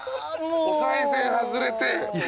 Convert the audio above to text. おさい銭外れて。